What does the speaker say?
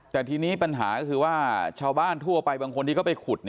แต่ทีนี้ปัญหาก็คือว่าชาวบ้านทั่วไปบางคนที่เขาไปขุด